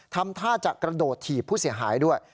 ทำท่าจะกระโดดถีบผู้เสียหายด้วย